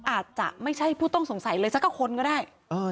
อาจจะไม่ใช่ผู้ต้องสงสัยเลยสักคนก็ได้